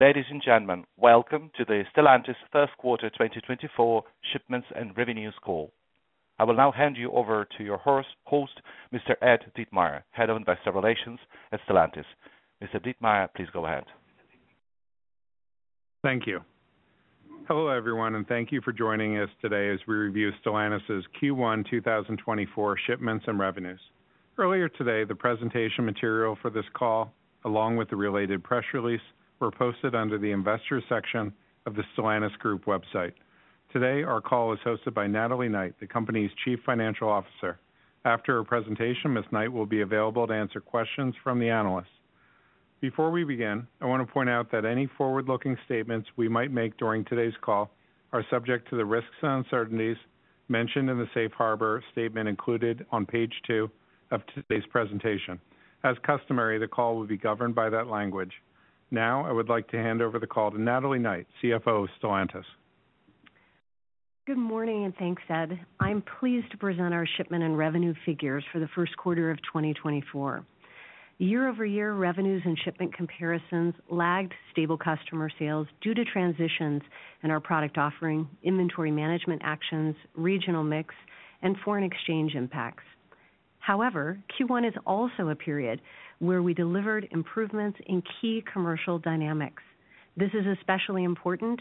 Ladies and gentlemen, welcome to the Stellantis First Quarter 2024 shipments and revenues call. I will now hand you over to your host, Mr. Ed Ditmire, Head of Investor Relations at Stellantis. Mr. Ditmire, please go ahead. Thank you. Hello, everyone, and thank you for joining us today as we review Stellantis' Q1 2024 shipments and revenues. Earlier today, the presentation material for this call, along with the related press release, were posted under the Investors section of the Stellantis group website. Today, our call is hosted by Natalie Knight, the company's Chief Financial Officer. After her presentation, Ms. Knight will be available to answer questions from the analysts. Before we begin, I want to point out that any forward-looking statements we might make during today's call are subject to the risks and uncertainties mentioned in the safe harbor statement included on page 2 of today's presentation. As customary, the call will be governed by that language. Now, I would like to hand over the call to Natalie Knight, CFO of Stellantis. Good morning, and thanks, Ed. I'm pleased to present our shipment and revenue figures for the first quarter of 2024. Year-over-year revenues and shipment comparisons lagged stable customer sales due to transitions in our product offering, inventory management actions, regional mix, and foreign exchange impacts. However, Q1 is also a period where we delivered improvements in key commercial dynamics. This is especially important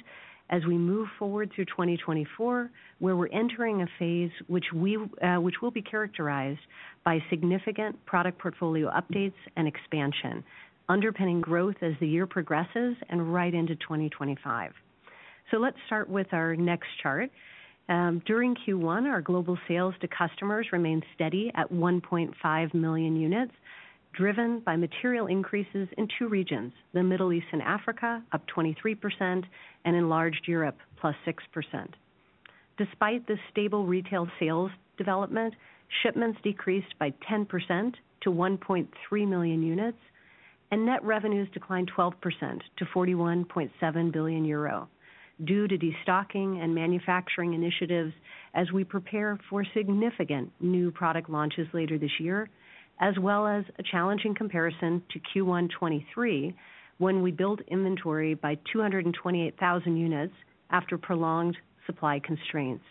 as we move forward through 2024, where we're entering a phase which we, which will be characterized by significant product portfolio updates and expansion, underpinning growth as the year progresses and right into 2025. So let's start with our next chart. During Q1, our global sales to customers remained steady at 1.5 million units, driven by material increases in two regions, the Middle East and Africa, up 23%, and in Enlarged Europe, plus 6%. Despite this stable retail sales development, shipments decreased by 10% to 1.3 million units, and net revenues declined 12% to 41.7 billion euro due to destocking and manufacturing initiatives as we prepare for significant new product launches later this year, as well as a challenging comparison to Q1 2023, when we built inventory by 228,000 units after prolonged supply constraints.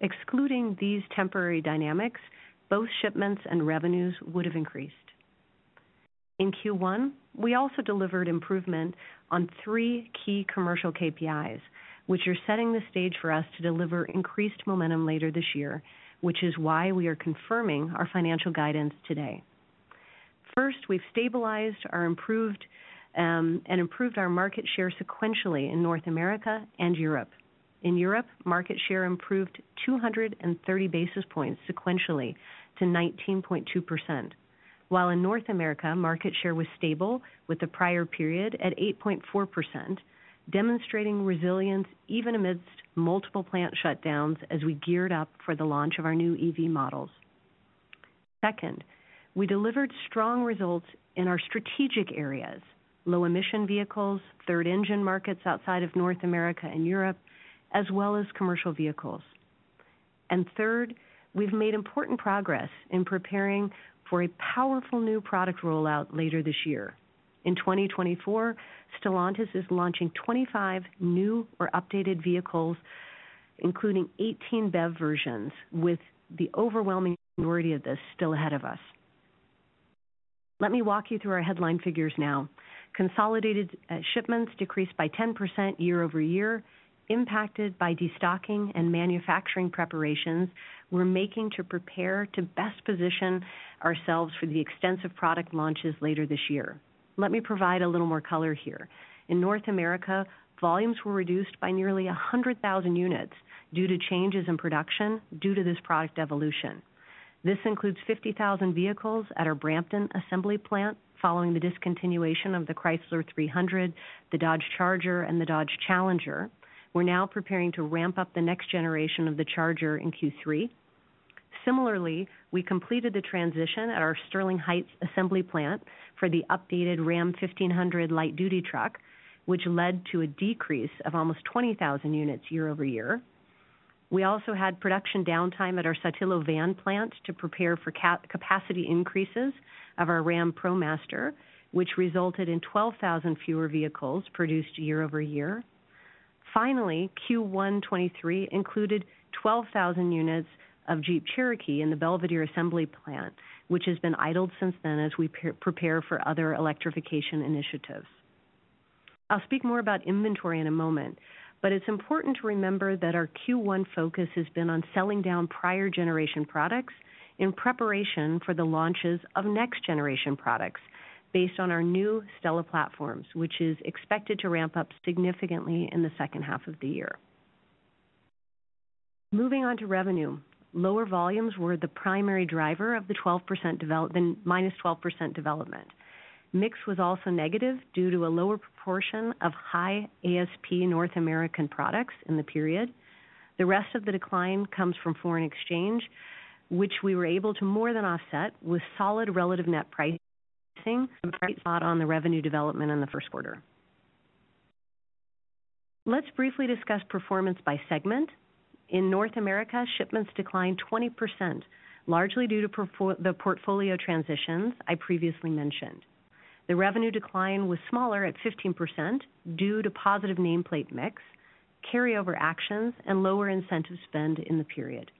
Excluding these temporary dynamics, both shipments and revenues would have increased. In Q1, we also delivered improvement on three key commercial KPIs, which are setting the stage for us to deliver increased momentum later this year, which is why we are confirming our financial guidance today. First, we've stabilized our improved, and improved our market share sequentially in North America and Europe. In Europe, market share improved 230 basis points sequentially to 19.2%, while in North America, market share was stable with the prior period at 8.4%, demonstrating resilience even amidst multiple plant shutdowns as we geared up for the launch of our new EV models. Second, we delivered strong results in our strategic areas: low-emission vehicles, Third Engine markets outside of North America and Europe, as well as commercial vehicles. And third, we've made important progress in preparing for a powerful new product rollout later this year. In 2024, Stellantis is launching 25 new or updated vehicles, including 18 BEV versions, with the overwhelming majority of this still ahead of us. Let me walk you through our headline figures now. Consolidated shipments decreased by 10% year-over-year, impacted by destocking and manufacturing preparations we're making to prepare to best position ourselves for the extensive product launches later this year. Let me provide a little more color here. In North America, volumes were reduced by nearly 100,000 units due to changes in production due to this product evolution. This includes 50,000 vehicles at our Brampton Assembly Plant, following the discontinuation of the Chrysler 300, the Dodge Charger, and the Dodge Challenger. We're now preparing to ramp up the next generation of the Charger in Q3. Similarly, we completed the transition at our Sterling Heights Assembly Plant for the updated Ram 1500 light-duty truck, which led to a decrease of almost 20,000 units year-over-year. We also had production downtime at our Saltillo Van Plant to prepare for capacity increases of our Ram ProMaster, which resulted in 12,000 fewer vehicles produced year-over-year. Finally, Q1 2023 included 12,000 units of Jeep Cherokee in the Belvidere Assembly Plant, which has been idled since then as we prepare for other electrification initiatives. I'll speak more about inventory in a moment, but it's important to remember that our Q1 focus has been on selling down prior generation products in preparation for the launches of next generation products based on our new STLA platforms, which is expected to ramp up significantly in the second half of the year. Moving on to revenue. Lower volumes were the primary driver of the minus 12% development. Mix was also negative due to a lower proportion of high ASP North American products in the period. The rest of the decline comes from foreign exchange, which we were able to more than offset with solid relative net pricing on the revenue development in the first quarter. Let's briefly discuss performance by segment. In North America, shipments declined 20%, largely due to the portfolio transitions I previously mentioned. The revenue decline was smaller at 15% due to positive nameplate mix, carryover actions, and lower incentive spend in the period.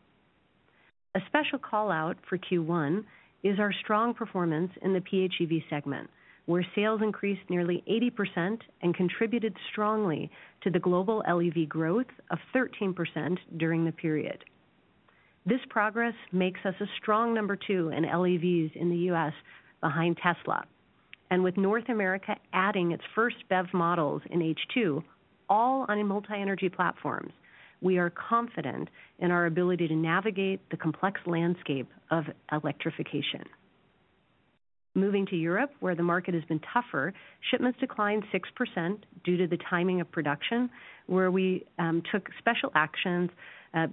A special call-out for Q1 is our strong performance in the PHEV segment, where sales increased nearly 80% and contributed strongly to the global LEV growth of 13% during the period. This progress makes us a strong number two in LEVs in the U.S. behind Tesla, and with North America adding its first BEV models in H2, all on multi-energy platforms, we are confident in our ability to navigate the complex landscape of electrification. Moving to Europe, where the market has been tougher, shipments declined 6% due to the timing of production, where we took special actions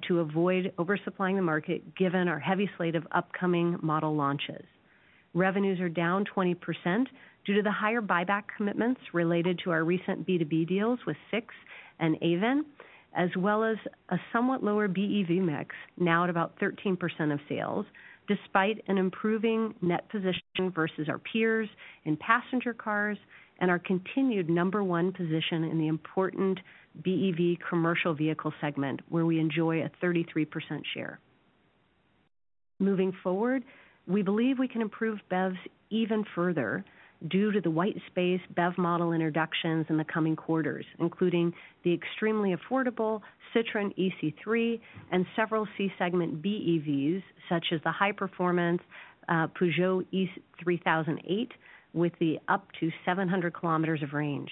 to avoid oversupplying the market, given our heavy slate of upcoming model launches. Revenues are down 20% due to the higher buyback commitments related to our recent B2B deals with SIXT and Ayven, as well as a somewhat lower BEV mix, now at about 13% of sales, despite an improving net position versus our peers in passenger cars and our continued number one position in the important BEV commercial vehicle segment, where we enjoy a 33% share. Moving forward, we believe we can improve BEVs even further due to the white space BEV model introductions in the coming quarters, including the extremely affordable Citroën e-C3 and several C-segment BEVs, such as the high-performance Peugeot e-3008, with up to 700 kilometers of range.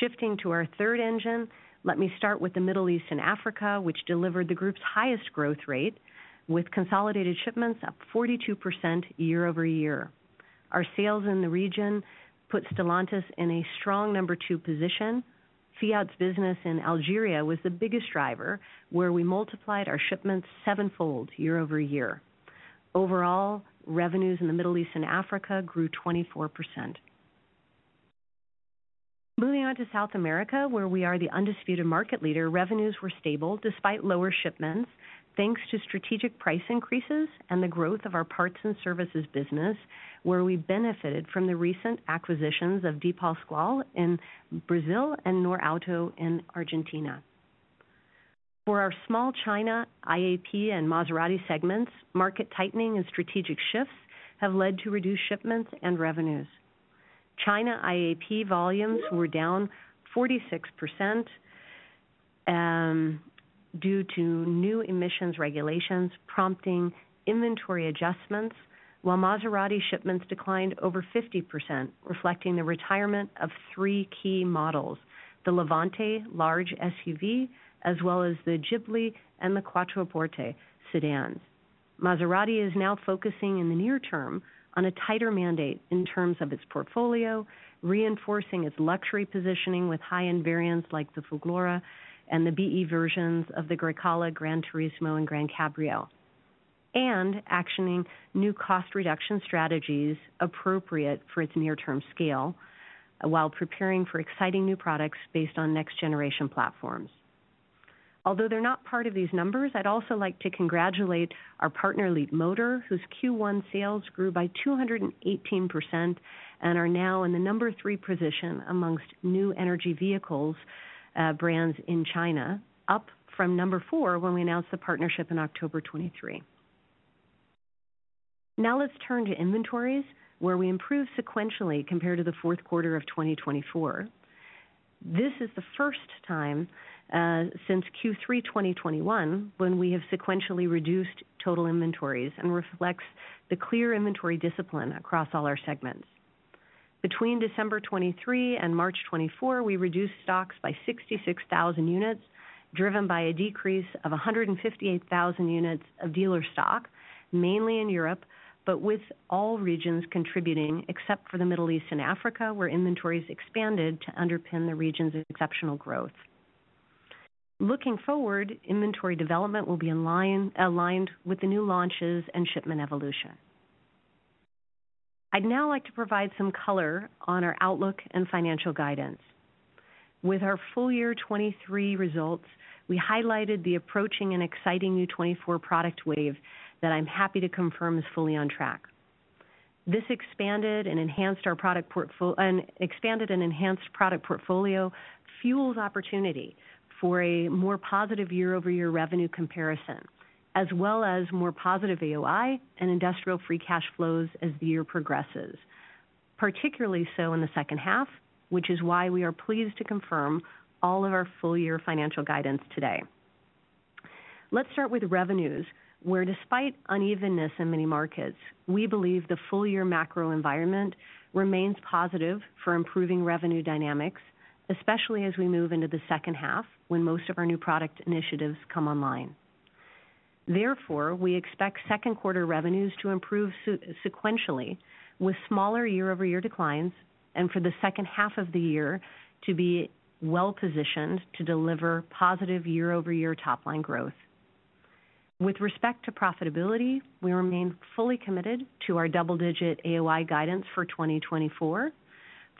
Shifting to our Third Engine, let me start with the Middle East and Africa, which delivered the group's highest growth rate, with consolidated shipments up 42% year-over-year. Our sales in the region put Stellantis in a strong number two position. Fiat's business in Algeria was the biggest driver, where we multiplied our shipments sevenfold year-over-year. Overall, revenues in the Middle East and Africa grew 24%. Moving on to South America, where we are the undisputed market leader, revenues were stable despite lower shipments, thanks to strategic price increases and the growth of our parts and services business, where we benefited from the recent acquisitions of DPaschoal in Brazil and Norauto in Argentina. For our small China, IAP, and Maserati segments, market tightening and strategic shifts have led to reduced shipments and revenues. China IAP volumes were down 46%, due to new emissions regulations, prompting inventory adjustments, while Maserati shipments declined over 50%, reflecting the retirement of three key models, the Levante large SUV, as well as the Ghibli and the Quattroporte sedans. Maserati is now focusing in the near term on a tighter mandate in terms of its portfolio, reinforcing its luxury positioning with high-end variants like the Folgore and the BEV versions of the Grecale, GranTurismo, and GranCabrio. Actioning new cost reduction strategies appropriate for its near-term scale, while preparing for exciting new products based on next-generation platforms. Although they're not part of these numbers, I'd also like to congratulate our partner, Leapmotor, whose Q1 sales grew by 218% and are now in the number three position amongst new energy vehicles, brands in China, up from number four when we announced the partnership in October 2023. Now let's turn to inventories, where we improved sequentially compared to the fourth quarter of 2024. This is the first time, since Q3 2021, when we have sequentially reduced total inventories and reflects the clear inventory discipline across all our segments. Between December 2023 and March 2024, we reduced stocks by 66,000 units, driven by a decrease of 158,000 units of dealer stock, mainly in Europe, but with all regions contributing, except for the Middle East and Africa, where inventories expanded to underpin the region's exceptional growth. Looking forward, inventory development will be aligned with the new launches and shipment evolution. I'd now like to provide some color on our outlook and financial guidance. With our full year 2023 results, we highlighted the approaching and exciting new 2024 product wave that I'm happy to confirm is fully on track. This expanded and enhanced our product portfolio fuels opportunity for a more positive year-over-year revenue comparison, as well as more positive AOI and industrial free cash flows as the year progresses, particularly so in the second half, which is why we are pleased to confirm all of our full-year financial guidance today. Let's start with revenues, where despite unevenness in many markets, we believe the full-year macro environment remains positive for improving revenue dynamics, especially as we move into the second half, when most of our new product initiatives come online. Therefore, we expect second quarter revenues to improve sequentially, with smaller year-over-year declines, and for the second half of the year to be well-positioned to deliver positive year-over-year top line growth. With respect to profitability, we remain fully committed to our double-digit AOI guidance for 2024.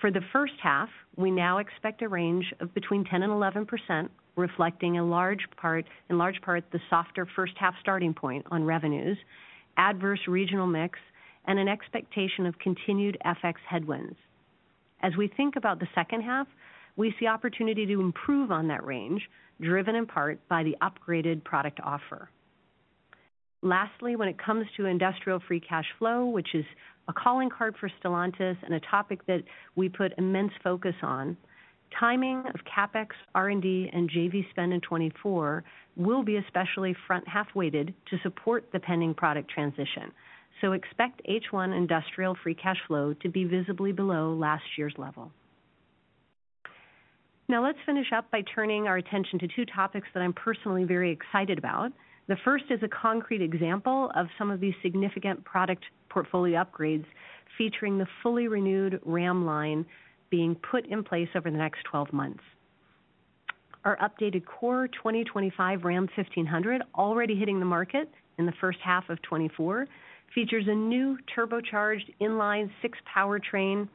For the first half, we now expect a range of between 10% and 11%, reflecting a large part, in large part, the softer first half starting point on revenues, adverse regional mix, and an expectation of continued FX headwinds. As we think about the second half, we see opportunity to improve on that range, driven in part by the upgraded product offer. Lastly, when it comes to industrial free cash flow, which is a calling card for Stellantis and a topic that we put immense focus on, timing of CapEx, R&D, and JV spend in 2024 will be especially front half-weighted to support the pending product transition. So expect H1 industrial free cash flow to be visibly below last year's level. Now, let's finish up by turning our attention to two topics that I'm personally very excited about. The first is a concrete example of some of these significant product portfolio upgrades, featuring the fully renewed Ram line being put in place over the next 12 months. Our updated core 2025 Ram 1500, already hitting the market in the first half of 2024, features a new turbocharged inline-six powertrain.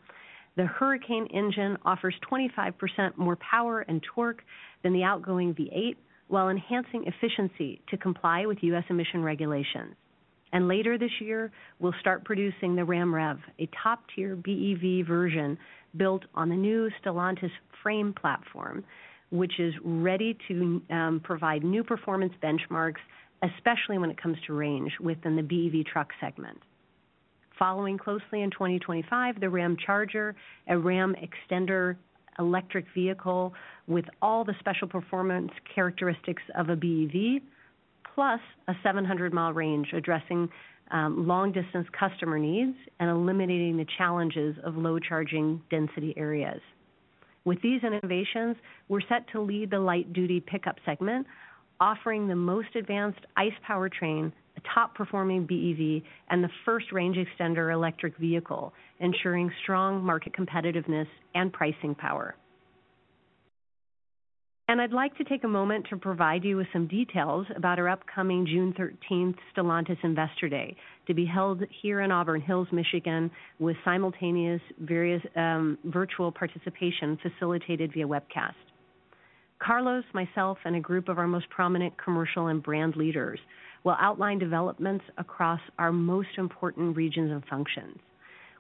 The Hurricane engine offers 25% more power and torque than the outgoing V8, while enhancing efficiency to comply with U.S. emission regulations. Later this year, we'll start producing the Ram REV, a top-tier BEV version built on the new Stellantis frame platform, which is ready to provide new performance benchmarks, especially when it comes to range within the BEV truck segment. Following closely in 2025, the Ramcharger, a Ram extender electric vehicle with all the special performance characteristics of a BEV, plus a 700-mile range, addressing long-distance customer needs and eliminating the challenges of low charging density areas. With these innovations, we're set to lead the light-duty pickup segment, offering the most advanced ICE powertrain, a top-performing BEV, and the first range extender electric vehicle, ensuring strong market competitiveness and pricing power. I'd like to take a moment to provide you with some details about our upcoming June 13th Stellantis Investor Day, to be held here in Auburn Hills, Michigan, with simultaneous various virtual participation facilitated via webcast. Carlos, myself, and a group of our most prominent commercial and brand leaders will outline developments across our most important regions and functions.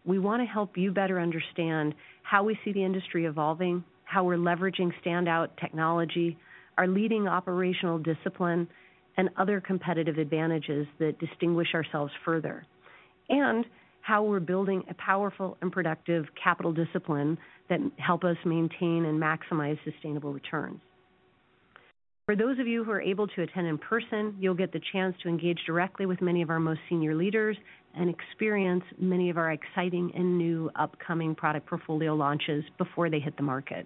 We wanna help you better understand how we see the industry evolving, how we're leveraging standout technology, our leading operational discipline, and other competitive advantages that distinguish ourselves further, and how we're building a powerful and productive capital discipline that help us maintain and maximize sustainable returns. For those of you who are able to attend in person, you'll get the chance to engage directly with many of our most senior leaders and experience many of our exciting and new upcoming product portfolio launches before they hit the market.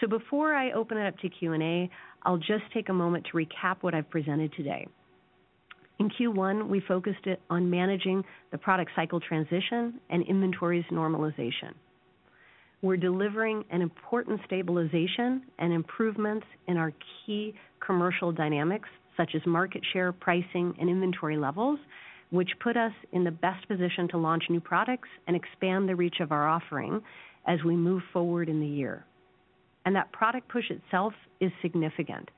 So before I open it up to Q&A, I'll just take a moment to recap what I've presented today. In Q1, we focused it on managing the product cycle transition and inventories normalization. We're delivering an important stabilization and improvements in our key commercial dynamics, such as market share, pricing, and inventory levels, which put us in the best position to launch new products and expand the reach of our offering as we move forward in the year. That product push itself is significant.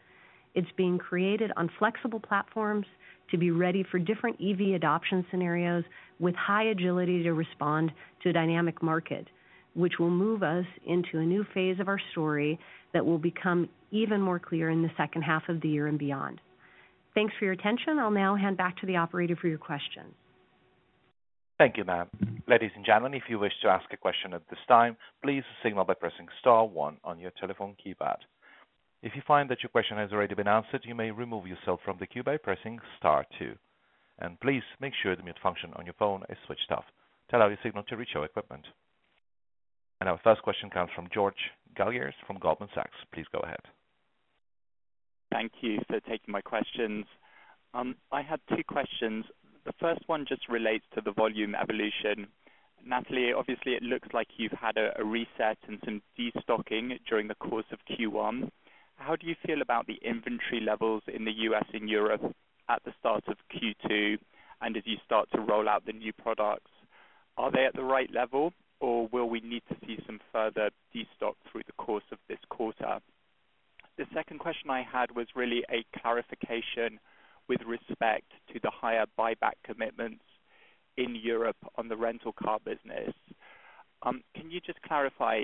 It's being created on flexible platforms to be ready for different EV adoption scenarios with high agility to respond to a dynamic market, which will move us into a new phase of our story that will become even more clear in the second half of the year and beyond. Thanks for your attention. I'll now hand back to the operator for your questions. Thank you, ma'am. Ladies and gentlemen, if you wish to ask a question at this time, please signal by pressing star one on your telephone keypad. If you find that your question has already been answered, you may remove yourself from the queue by pressing star two, and please make sure the mute function on your phone is switched off to allow your signal to reach our equipment. Our first question comes from George Galliers from Goldman Sachs. Please go ahead. Thank you for taking my questions. I had two questions. The first one just relates to the volume evolution. Natalie, obviously, it looks like you've had a reset and some destocking during the course of Q1. How do you feel about the inventory levels in the U.S. and Europe at the start of Q2, and as you start to roll out the new products? Are they at the right level, or will we need to see some further destock through the course of this quarter? The second question I had was really a clarification with respect to the higher buyback commitments in Europe on the rental car business. Can you just clarify,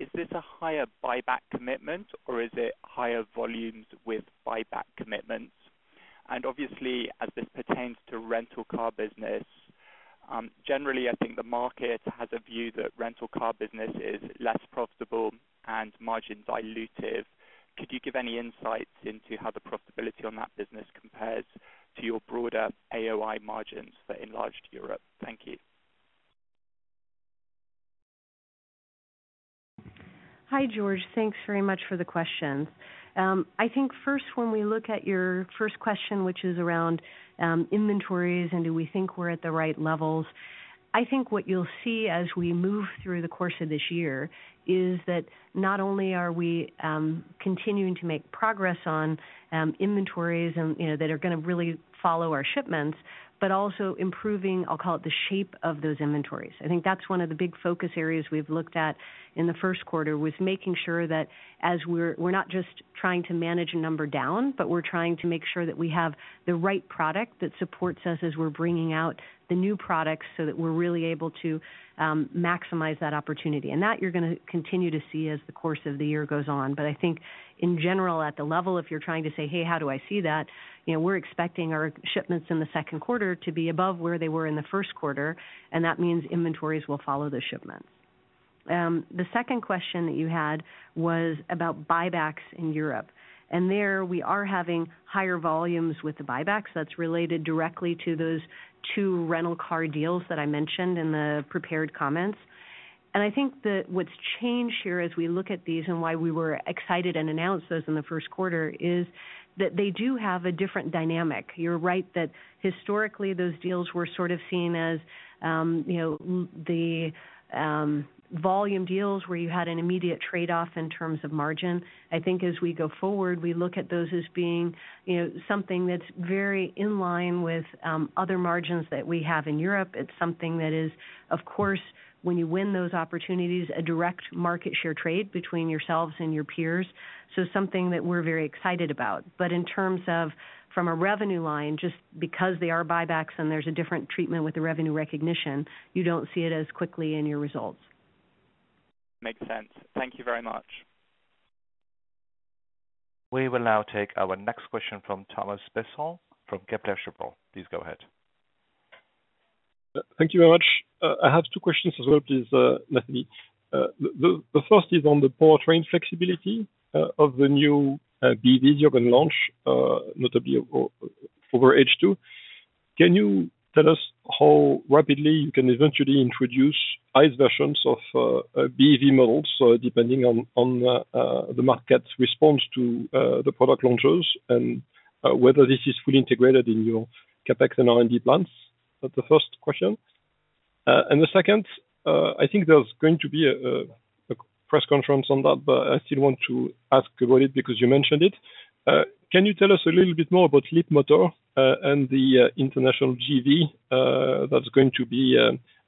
is this a higher buyback commitment, or is it higher volumes with buyback commitments? Obviously, as this pertains to rental car business, generally, I think the market has a view that rental car business is less profitable and margin dilutive. Could you give any insights into how the profitability on that business compares to your broader AOI margins for enlarged Europe? Thank you. Hi, George. Thanks very much for the questions. I think first, when we look at your first question, which is around inventories, and do we think we're at the right levels? I think what you'll see as we move through the course of this year is that not only are we continuing to make progress on inventories, you know, that are gonna really follow our shipments, but also improving, I'll call it the shape of those inventories. I think that's one of the big focus areas we've looked at in the first quarter was making sure that as we're not just trying to manage a number down, but we're trying to make sure that we have the right product that supports us as we're bringing out the new products, so that we're really able to maximize that opportunity. That you're gonna continue to see as the course of the year goes on. But I think in general, at the level, if you're trying to say, "Hey, how do I see that?" You know, we're expecting our shipments in the second quarter to be above where they were in the first quarter, and that means inventories will follow the shipments. The second question that you had was about buybacks in Europe, and there we are having higher volumes with the buybacks that's related directly to those two rental car deals that I mentioned in the prepared comments. I think that what's changed here as we look at these and why we were excited and announced those in the first quarter is that they do have a different dynamic. You're right that historically, those deals were sort of seen as, you know, the volume deals where you had an immediate trade-off in terms of margin. I think as we go forward, we look at those as being, you know, something that's very in line with other margins that we have in Europe. It's something that is, of course, when you win those opportunities, a direct market share trade between yourselves and your peers, so something that we're very excited about. But in terms of from a revenue line, just because they are buybacks and there's a different treatment with the revenue recognition, you don't see it as quickly in your results. Makes sense. Thank you very much. We will now take our next question from Thomas Besson from Kepler Cheuvreux. Please go ahead. Thank you very much. I have two questions as well, please, Natalie. The first is on the powertrain flexibility of the new BEV you're going to launch, notably over H2. Can you tell us how rapidly you can eventually introduce ICE versions of BEV models? So depending on the market's response to the product launches and whether this is fully integrated in your CapEx and R&D plans. That's the first question. And the second, I think there's going to be a press conference on that, but I still want to ask about it because you mentioned it. Can you tell us a little bit more about Leapmotor and the international JV that's going to be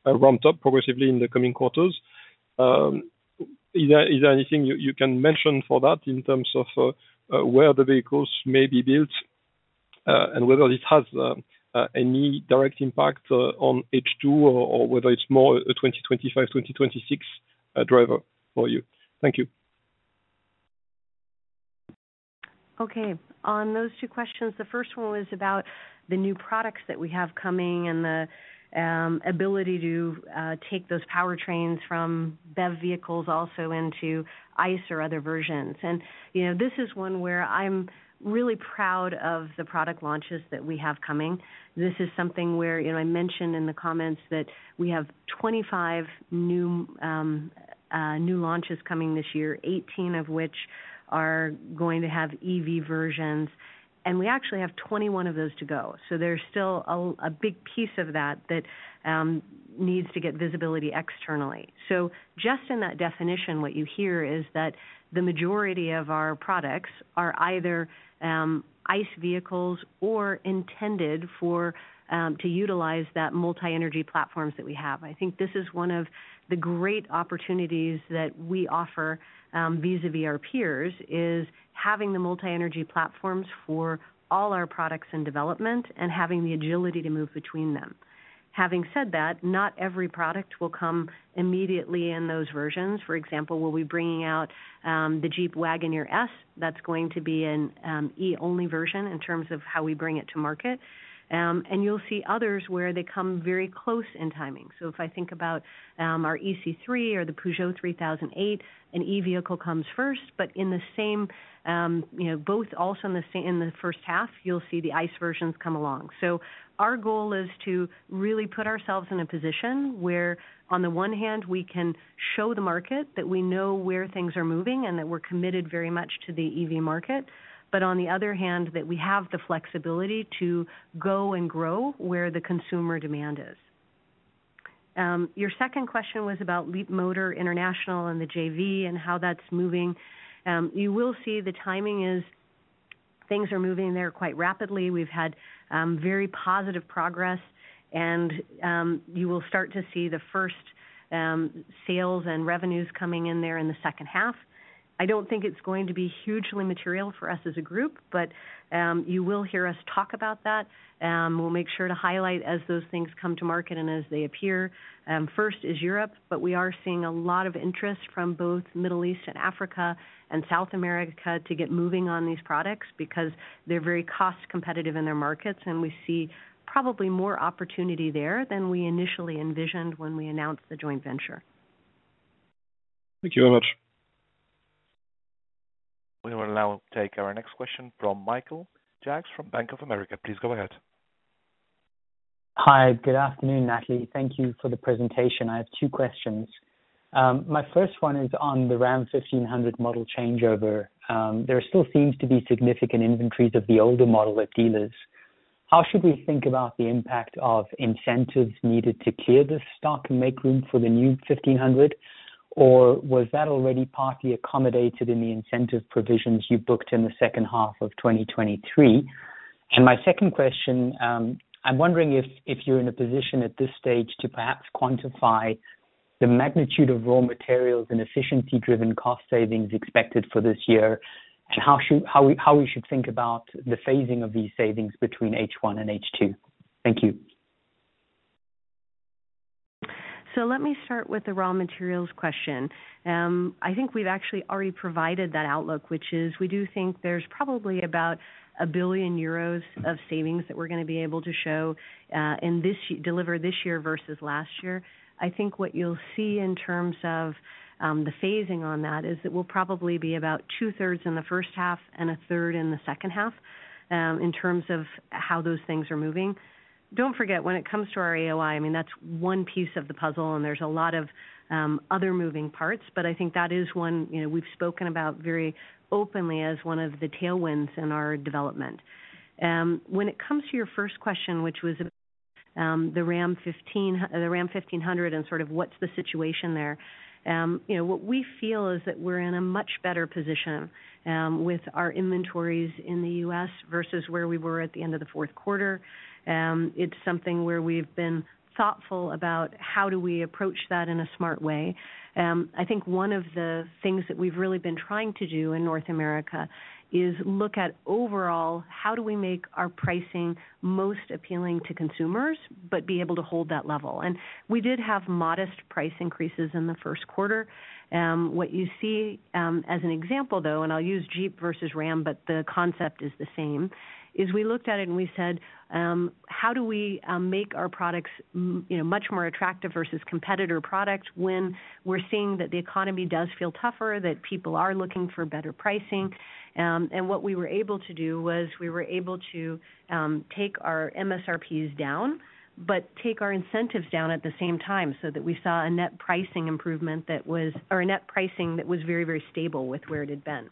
ramped up progressively in the coming quarters? Is there anything you can mention for that in terms of where the vehicles may be built, and whether this has any direct impact on H2, or whether it's more a 2025, 2026 driver for you? Thank you. Okay. On those two questions, the first one was about the new products that we have coming and the ability to take those powertrains from BEV vehicles also into ICE or other versions. And, you know, this is one where I'm really proud of the product launches that we have coming. This is something where, you know, I mentioned in the comments that we have 25 new launches coming this year, 18 of which are going to have EV versions, and we actually have 21 of those to go. So there's still a big piece of that that needs to get visibility externally. So just in that definition, what you hear is that the majority of our products are either ICE vehicles or intended for to utilize that multi-energy platforms that we have. I think this is one of the great opportunities that we offer vis-a-vis our peers, is having the multi-energy platforms for all our products in development and having the agility to move between them. Having said that, not every product will come immediately in those versions. For example, we'll be bringing out the Jeep Wagoneer S. That's going to be an E-only version in terms of how we bring it to market. And you'll see others where they come very close in timing. So if I think about our e-C3 or the Peugeot 3008, an E vehicle comes first, but in the same you know both also in the first half, you'll see the ICE versions come along. So our goal is to really put ourselves in a position where, on the one hand, we can show the market that we know where things are moving and that we're committed very much to the EV market, but on the other hand, that we have the flexibility to go and grow where the consumer demand is. Your second question was about Leapmotor International and the JV and how that's moving. You will see the timing is things are moving there quite rapidly. We've had very positive progress, and you will start to see the first sales and revenues coming in there in the second half. I don't think it's going to be hugely material for us as a group, but you will hear us talk about that. We'll make sure to highlight as those things come to market and as they appear. First is Europe, but we are seeing a lot of interest from both Middle East and Africa and South America to get moving on these products because they're very cost competitive in their markets, and we see probably more opportunity there than we initially envisioned when we announced the joint venture. Thank you very much. We will now take our next question from Michael Jacks from Bank of America. Please go ahead. Hi, good afternoon, Natalie. Thank you for the presentation. I have two questions. My first one is on the Ram 1500 model changeover. There still seems to be significant inventories of the older model with dealers. How should we think about the impact of incentives needed to clear this stock and make room for the new 1500? Or was that already partly accommodated in the incentive provisions you booked in the second half of 2023? My second question, I'm wondering if you're in a position at this stage to perhaps quantify the magnitude of raw materials and efficiency-driven cost savings expected for this year, and how we should think about the phasing of these savings between H1 and H2? Thank you. So let me start with the raw materials question. I think we've actually already provided that outlook, which is we do think there's probably about 1 billion euros of savings that we're gonna be able to show, in this year, deliver this year versus last year. I think what you'll see in terms of the phasing on that is it will probably be about two thirds in the first half and a third in the second half, in terms of how those things are moving. Don't forget, when it comes to our AOI, I mean, that's one piece of the puzzle, and there's a lot of other moving parts, but I think that is one, you know, we've spoken about very openly as one of the tailwinds in our development. When it comes to your first question, which was, the Ram 1500, the Ram 1500, and sort of what's the situation there, you know, what we feel is that we're in a much better position, with our inventories in the U.S. versus where we were at the end of the fourth quarter. It's something where we've been thoughtful about how do we approach that in a smart way. I think one of the things that we've really been trying to do in North America is look at overall, how do we make our pricing most appealing to consumers, but be able to hold that level? We did have modest price increases in the first quarter. What you see, as an example, though, and I'll use Jeep versus Ram, but the concept is the same, is we looked at it and we said, "How do we make our products you know, much more attractive versus competitor products, when we're seeing that the economy does feel tougher, that people are looking for better pricing?" And what we were able to do was take our MSRPs down, but take our incentives down at the same time, so that we saw a net pricing improvement that was... or a net pricing that was very, very stable with where it had been.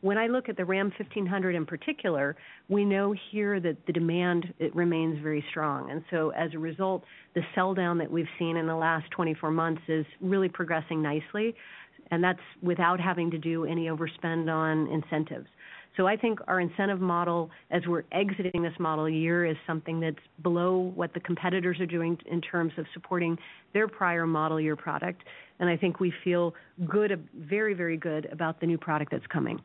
When I look at the Ram 1500 in particular, we know here that the demand, it remains very strong. So as a result, the sell down that we've seen in the last 24 months is really progressing nicely, and that's without having to do any overspend on incentives. So I think our incentive model, as we're exiting this model year, is something that's below what the competitors are doing in terms of supporting their prior model year product. And I think we feel good, very, very good about the new product that's coming.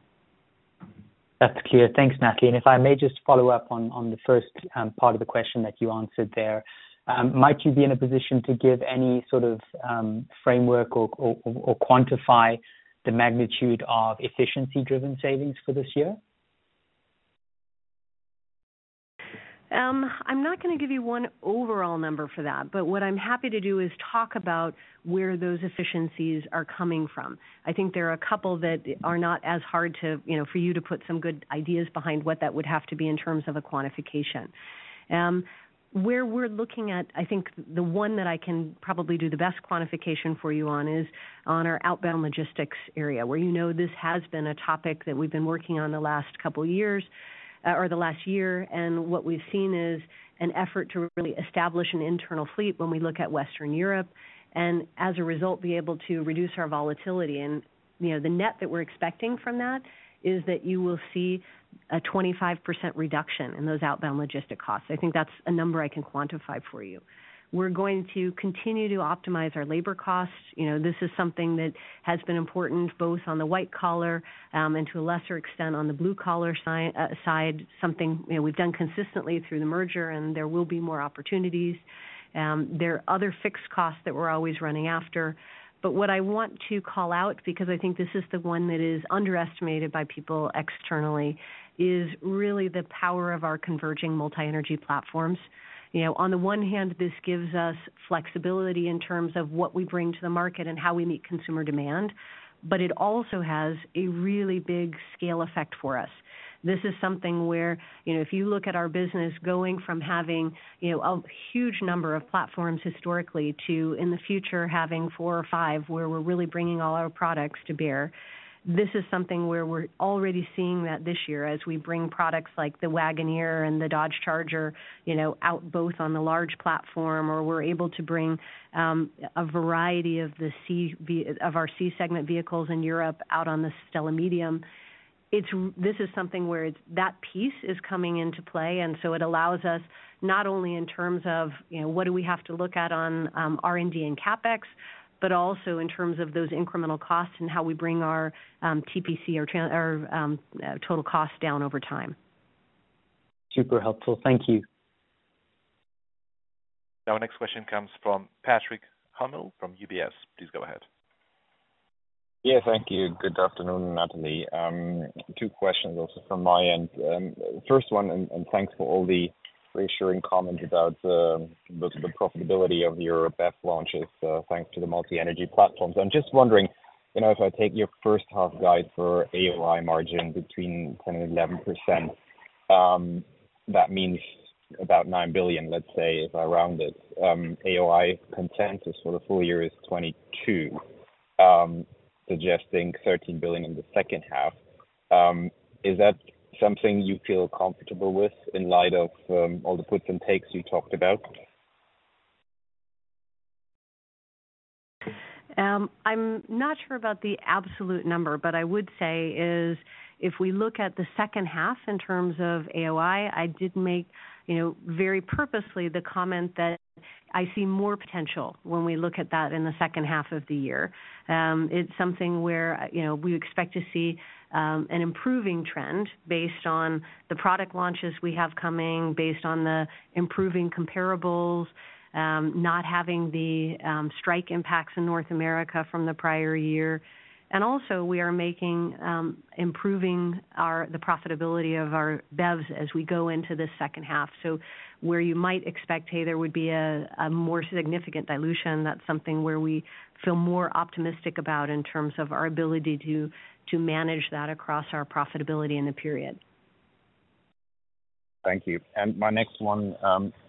That's clear. Thanks, Natalie. And if I may just follow up on the first part of the question that you answered there. Might you be in a position to give any sort of framework or quantify the magnitude of efficiency-driven savings for this year? I'm not gonna give you one overall number for that, but what I'm happy to do is talk about where those efficiencies are coming from. I think there are a couple that are not as hard to, you know, for you to put some good ideas behind what that would have to be in terms of a quantification. Where we're looking at, I think the one that I can probably do the best quantification for you on is on our outbound logistics area, where you know this has been a topic that we've been working on the last couple years, or the last year. And what we've seen is an effort to really establish an internal fleet when we look at Western Europe, and as a result, be able to reduce our volatility. You know, the net that we're expecting from that is that you will see a 25% reduction in those outbound logistics costs. I think that's a number I can quantify for you. We're going to continue to optimize our labor costs. You know, this is something that has been important both on the white collar, and to a lesser extent, on the blue collar side, something, you know, we've done consistently through the merger, and there will be more opportunities. There are other fixed costs that we're always running after. But what I want to call out, because I think this is the one that is underestimated by people externally, is really the power of our converging multi-energy platforms. You know, on the one hand, this gives us flexibility in terms of what we bring to the market and how we meet consumer demand, but it also has a really big scale effect for us. This is something where, you know, if you look at our business going from having, you know, a huge number of platforms historically to, in the future, having four or five, where we're really bringing all our products to bear, this is something where we're already seeing that this year as we bring products like the Wagoneer and the Dodge Charger, you know, out both on the large platform, or we're able to bring a variety of our C-segment vehicles in Europe, out on the STLA Medium. This is something where it's, that piece is coming into play, and so it allows us, not only in terms of, you know, what do we have to look at on R&D and CapEx, but also in terms of those incremental costs and how we bring our TPC, our total costs down over time. Super helpful. Thank you. Our next question comes from Patrick Hummel, from UBS. Please go ahead. Yeah, thank you. Good afternoon, Natalie. Two questions also from my end. First one, and thanks for all the reassuring comments about the profitability of your BEV launches, thanks to the multi-energy platforms. I'm just wondering, you know, if I take your first half guide for AOI margin between 10%-11%, that means about 9 billion, let's say, if I round it. AOI consensus for the full year is 22, suggesting 13 billion in the second half. Is that something you feel comfortable with in light of all the puts and takes you talked about? I'm not sure about the absolute number, but I would say is, if we look at the second half in terms of AOI, I did make, you know, very purposely the comment that I see more potential when we look at that in the second half of the year. It's something where, you know, we expect to see an improving trend based on the product launches we have coming, based on the improving comparables, not having the strike impacts in North America from the prior year. And also, we are improving the profitability of our BEVs as we go into the second half. So where you might expect, hey, there would be a more significant dilution, that's something where we feel more optimistic about in terms of our ability to manage that across our profitability in the period. Thank you. And my next one,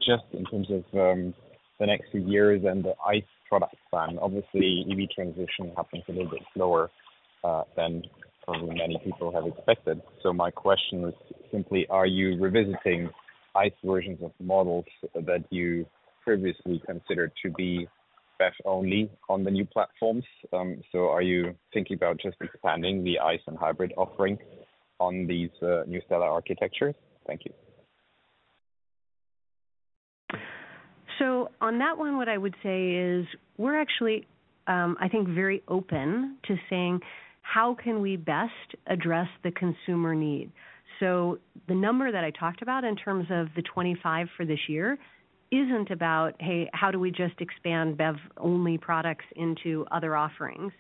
just in terms of the next few years and the ICE product plan, obviously, EV transition happens a little bit slower than probably many people have expected. So my question is simply, are you revisiting ICE versions of models that you previously considered to be BEV only on the new platforms? So are you thinking about just expanding the ICE and hybrid offering on these new STLA architectures? Thank you. So on that one, what I would say is we're actually, I think, very open to saying, how can we best address the consumer need? So the number that I talked about in terms of the 25 for this year, isn't about, hey, how do we just expand BEV-only products into other offerings?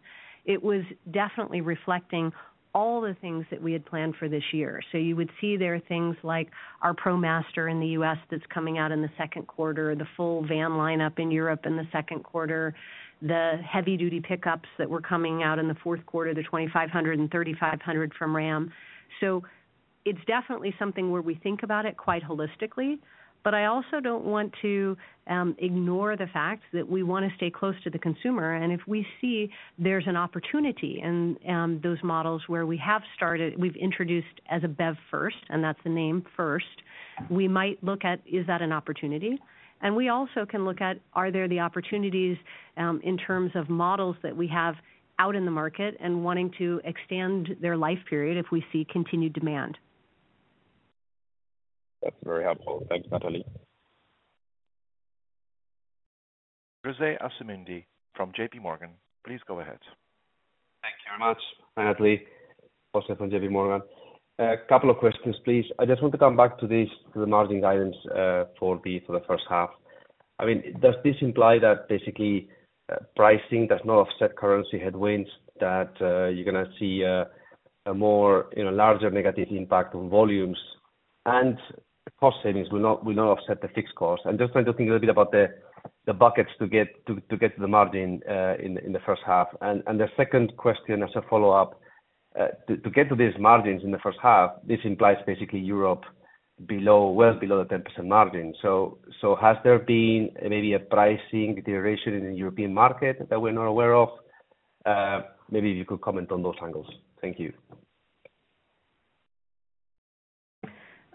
It was definitely reflecting all the things that we had planned for this year. So you would see there are things like our ProMaster in the U.S. that's coming out in the second quarter, the full van lineup in Europe in the second quarter, the heavy duty pickups that were coming out in the fourth quarter, the 2500 and 3,500 from Ram. So it's definitely something where we think about it quite holistically, but I also don't want to ignore the fact that we wanna stay close to the consumer, and if we see there's an opportunity in those models where we have started, we've introduced as a BEV first, and that's the name first, we might look at, is that an opportunity? And we also can look at, are there the opportunities in terms of models that we have out in the market and wanting to extend their life period if we see continued demand. That's very helpful. Thanks, Natalie. José Asumendi from JPMorgan, please go ahead. Thank you very much, Natalie. José from JPMorgan. A couple of questions, please. I just want to come back to this, to the margin guidance for the first half. I mean, does this imply that basically pricing does not offset currency headwinds, that you're gonna see a more, you know, larger negative impact on volumes, and cost savings will not offset the fixed costs? I'm just trying to think a little bit about the buckets to get to the margin in the first half. And the second question as a follow-up, to get to these margins in the first half, this implies basically Europe below, well below the 10% margin. So has there been maybe a pricing deterioration in the European market that we're not aware of? Maybe if you could comment on those angles. Thank you.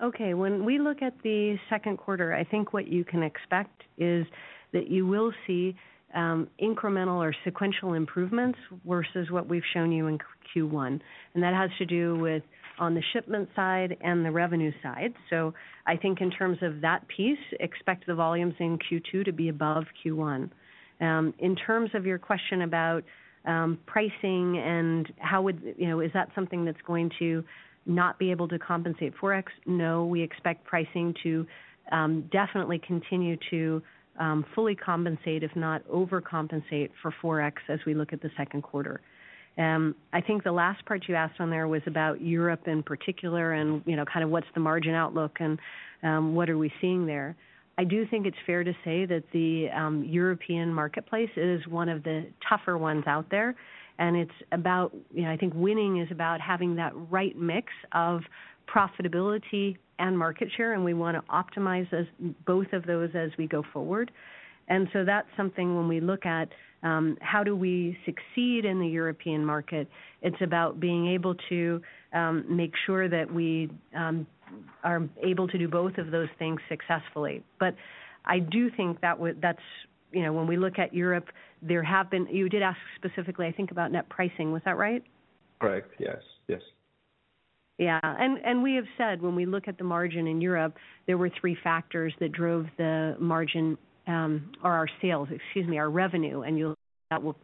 Okay, when we look at the second quarter, I think what you can expect is that you will see incremental or sequential improvements versus what we've shown you in Q1, and that has to do with on the shipment side and the revenue side. So I think in terms of that piece, expect the volumes in Q2 to be above Q1. In terms of your question about pricing and how would, you know, is that something that's going to not be able to compensate Forex? No, we expect pricing to definitely continue to fully compensate, if not overcompensate for Forex as we look at the second quarter. I think the last part you asked on there was about Europe in particular, and, you know, kind of what's the margin outlook and what are we seeing there? I do think it's fair to say that the European marketplace is one of the tougher ones out there, and it's about, you know, I think winning is about having that right mix of profitability and market share, and we wanna optimize both of those as we go forward. And so that's something when we look at how do we succeed in the European market, it's about being able to make sure that we are able to do both of those things successfully. But I do think that that's, you know, when we look at Europe, there have been, you did ask specifically, I think, about net pricing. Was that right? Correct. Yes. Yeah. And we have said when we look at the margin in Europe, there were three factors that drove the margin, or our sales, excuse me, our revenue, and that will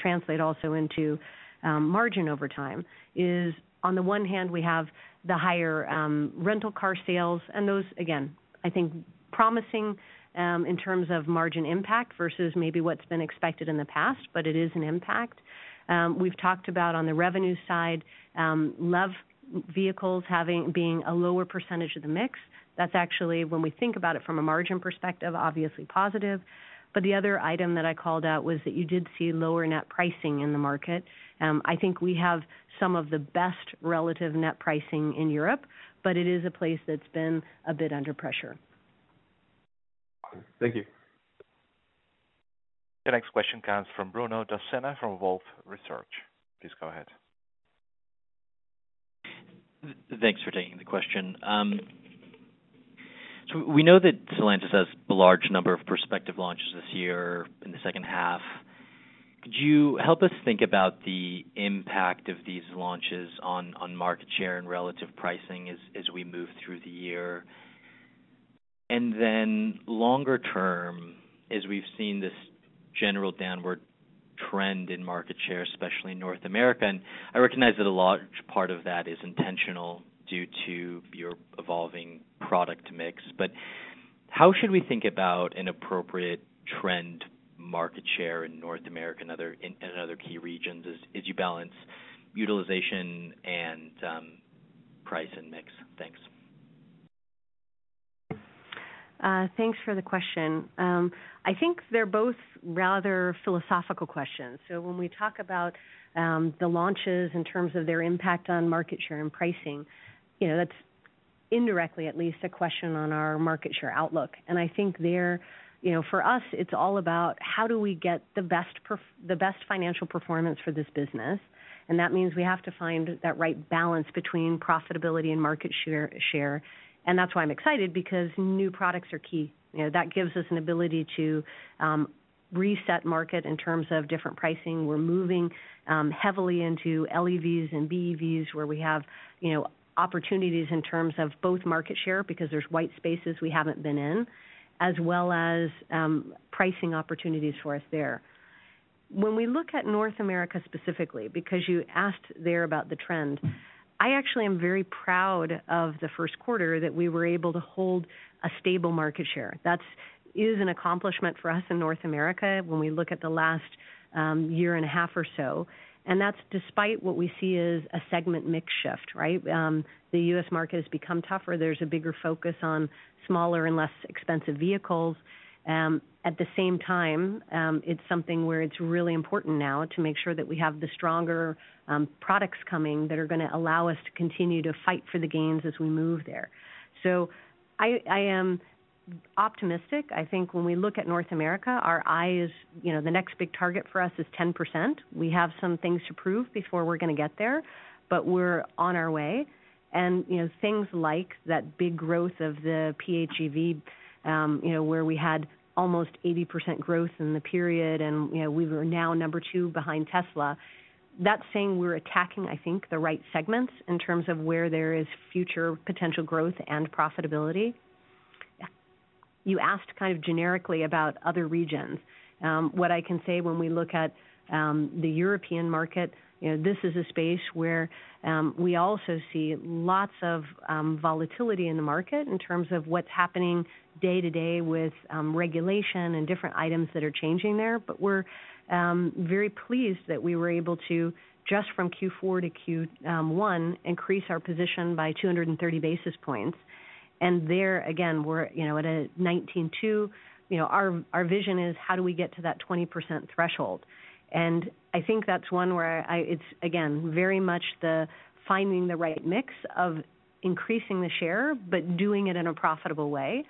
translate also into margin over time, is on the one hand, we have the higher rental car sales, and those, again, I think, promising in terms of margin impact versus maybe what's been expected in the past, but it is an impact. We've talked about on the revenue side, low vehicles being a lower percentage of the mix. That's actually, when we think about it from a margin perspective, obviously positive. But the other item that I called out was that you did see lower net pricing in the market. I think we have some of the best relative net pricing in Europe, but it is a place that's been a bit under pressure. Thank you. The next question comes from Bruno Dossena from Wolfe Research. Please go ahead. Thanks for taking the question. So we know that Stellantis has a large number of prospective launches this year in the second half. Could you help us think about the impact of these launches on market share and relative pricing as we move through the year? And then longer term, as we've seen this general downward trend in market share, especially in North America, and I recognize that a large part of that is intentional due to your evolving product mix. But how should we think about an appropriate trend market share in North America and other key regions as you balance utilization and price and mix? Thanks. Thanks for the question. I think they're both rather philosophical questions. So when we talk about, the launches in terms of their impact on market share and pricing, you know, that's indirectly at least, a question on our market share outlook. And I think there, you know, for us, it's all about how do we get the best the best financial performance for this business? And that means we have to find that right balance between profitability and market share. And that's why I'm excited, because new products are key. You know, that gives us an ability to, reset market in terms of different pricing. We're moving, heavily into LEVs and BEVs, where we have, you know, opportunities in terms of both market share, because there's white spaces we haven't been in, as well as, pricing opportunities for us there. When we look at North America, specifically, because you asked there about the trend, I actually am very proud of the first quarter that we were able to hold a stable market share. That is an accomplishment for us in North America when we look at the last year and a half or so, and that's despite what we see as a segment mix shift, right? The U.S. market has become tougher. There's a bigger focus on smaller and less expensive vehicles. At the same time, it's something where it's really important now to make sure that we have the stronger products coming that are gonna allow us to continue to fight for the gains as we move there. So I am optimistic. I think when we look at North America, our eye is, you know, the next big target for us is 10%. We have some things to prove before we're gonna get there, but we're on our way. You know, things like that big growth of the PHEV, you know, where we had almost 80% growth in the period, and, you know, we were now number two behind Tesla. That's saying we're attacking, I think, the right segments in terms of where there is future potential growth and profitability. You asked kind of generically about other regions. What I can say when we look at the European market, you know, this is a space where we also see lots of volatility in the market in terms of what's happening day to day with regulation and different items that are changing there. But we're very pleased that we were able to, just from Q4 to Q1, increase our position by 230 basis points. And there, again, we're, you know, at a 19.2. You know, our vision is how do we get to that 20% threshold? And I think that's one where it's, again, very much the finding the right mix of increasing the share, but doing it in a profitable way.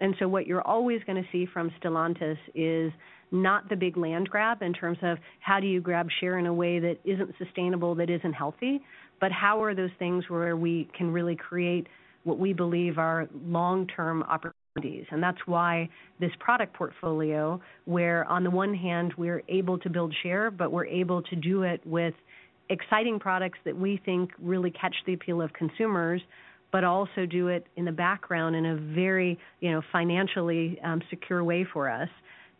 And so what you're always gonna see from Stellantis is not the big land grab in terms of how do you grab share in a way that isn't sustainable, that isn't healthy, but how are those things where we can really create what we believe are long-term opportunities? And that's why this product portfolio, where on the one hand, we're able to build share, but we're able to do it with exciting products that we think really catch the appeal of consumers, but also do it in the background in a very, you know, financially, secure way for us,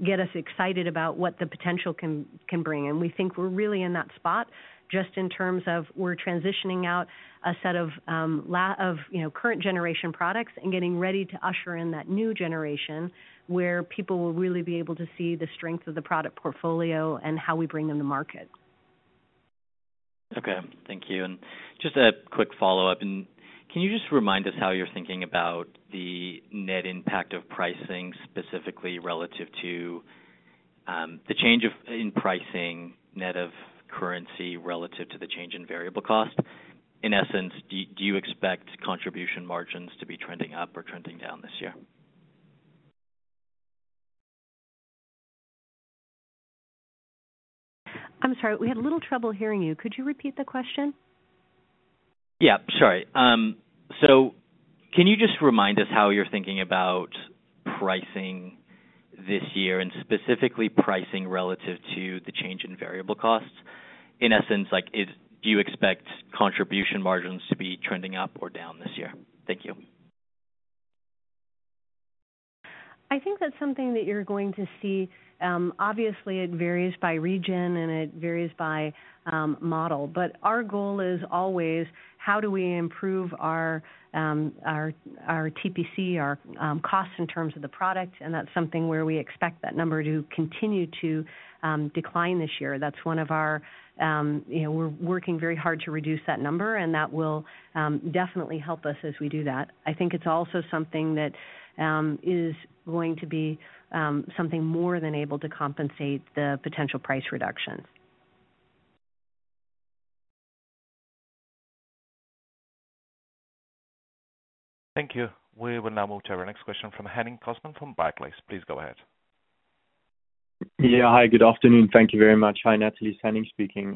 get us excited about what the potential can bring. And we think we're really in that spot just in terms of we're transitioning out a set of, you know, current generation products and getting ready to usher in that new generation, where people will really be able to see the strength of the product portfolio and how we bring them to market. Okay, thank you. Just a quick follow-up. Can you just remind us how you're thinking about the net impact of pricing, specifically relative to the change in pricing, net of currency relative to the change in variable cost? In essence, do you expect contribution margins to be trending up or trending down this year? I'm sorry, we had a little trouble hearing you. Could you repeat the question? Yeah, sorry. So can you just remind us how you're thinking about pricing this year, and specifically pricing relative to the change in variable costs? In essence, like, is, do you expect contribution margins to be trending up or down this year? Thank you. I think that's something that you're going to see. Obviously, it varies by region and it varies by model. But our goal is always: How do we improve our TPC, our costs in terms of the product? And that's something where we expect that number to continue to decline this year. That's one of our, you know, we're working very hard to reduce that number, and that will definitely help us as we do that. I think it's also something that is going to be something more than able to compensate the potential price reductions. Thank you. We will now move to our next question from Henning Cosman from Barclays. Please go ahead. Yeah. Hi, good afternoon. Thank you very much. Hi, Natalie, Henning speaking.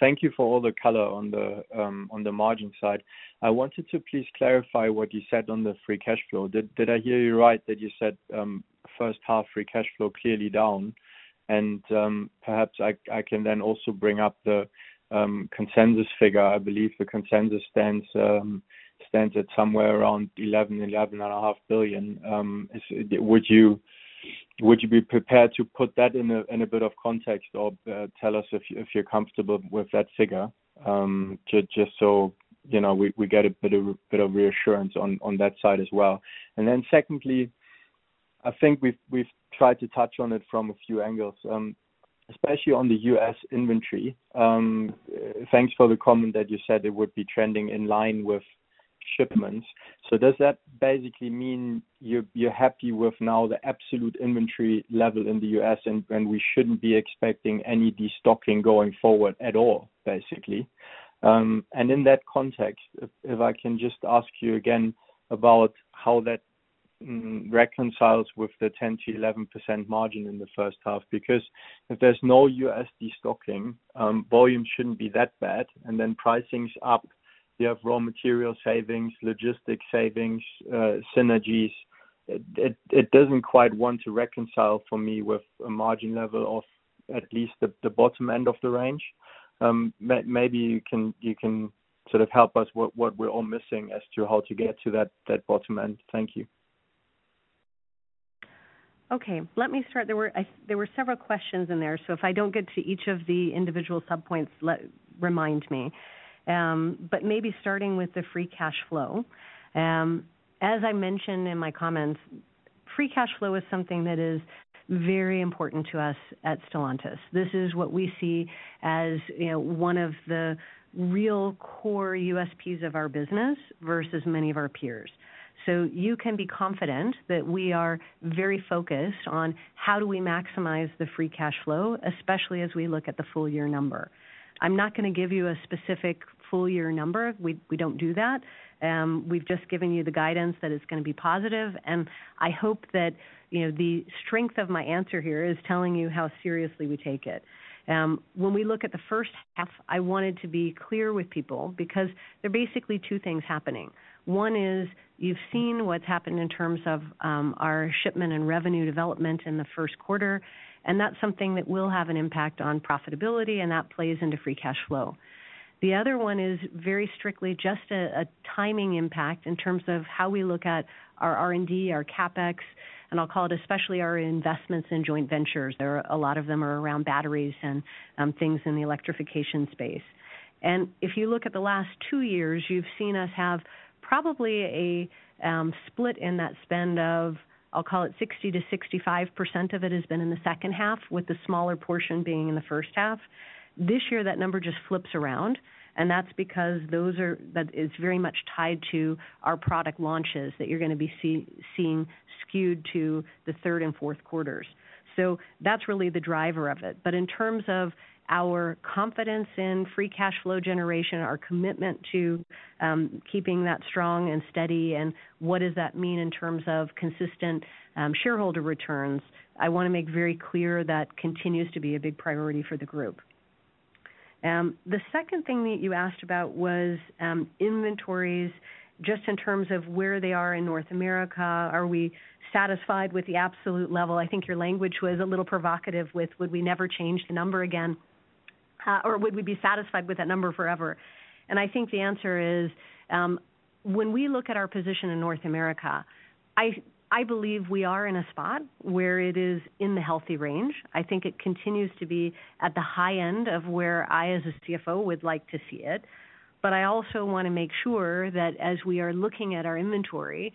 Thank you for all the color on the margin side. I wanted to please clarify what you said on the free cash flow. Did I hear you right, that you said first half free cash flow clearly down? And perhaps I can then also bring up the consensus figure. I believe the consensus stands at somewhere around 11 billion-11.5 billion. Is, would you be prepared to put that in a bit of context or tell us if you, if you're comfortable with that figure? Just so you know, we get a bit of reassurance on that side as well. And then secondly, I think we've tried to touch on it from a few angles, especially on the U.S. inventory. Thanks for the comment that you said it would be trending in line with shipments. So does that basically mean you're happy with now the absolute inventory level in the US, and we shouldn't be expecting any destocking going forward at all, basically? And in that context, if I can just ask you again about how that reconciles with the 10%-11% margin in the first half? Because if there's no destocking, volume shouldn't be that bad, and then pricing's up. You have raw material savings, logistics savings, synergies. It doesn't quite want to reconcile for me with a margin level of at least the bottom end of the range. Maybe you can sort of help us what we're all missing as to how to get to that bottom end. Thank you. Okay, let me start. There were several questions in there, so if I don't get to each of the individual subpoints, remind me. But maybe starting with the free cash flow. As I mentioned in my comments, free cash flow is something that is very important to us at Stellantis. This is what we see as, you know, one of the real core USPs of our business versus many of our peers. So you can be confident that we are very focused on how do we maximize the free cash flow, especially as we look at the full year number. I'm not gonna give you a specific full year number. We don't do that. We've just given you the guidance that it's gonna be positive, and I hope that, you know, the strength of my answer here is telling you how seriously we take it. When we look at the first half, I wanted to be clear with people because there are basically two things happening. One is you've seen what's happened in terms of our shipment and revenue development in the first quarter, and that's something that will have an impact on profitability, and that plays into free cash flow. The other one is very strictly just a timing impact in terms of how we look at our R&D, our CapEx, and I'll call it, especially our investments in joint ventures. There are a lot of them around batteries and things in the electrification space. And if you look at the last two years, you've seen us have probably a split in that spend of, I'll call it 60%-65% of it has been in the second half, with the smaller portion being in the first half. This year, that number just flips around, and that's because it's very much tied to our product launches that you're gonna be seeing skewed to the third and fourth quarters. So that's really the driver of it. But in terms of our confidence in free cash flow generation, our commitment to keeping that strong and steady, and what does that mean in terms of consistent shareholder returns, I want to make very clear that continues to be a big priority for the group. The second thing that you asked about was, inventories, just in terms of where they are in North America, are we satisfied with the absolute level? I think your language was a little provocative with, would we never change the number again? Or would we be satisfied with that number forever. And I think the answer is, when we look at our position in North America, I believe we are in a spot where it is in the healthy range. I think it continues to be at the high end of where I, as a CFO, would like to see it. But I also want to make sure that as we are looking at our inventory,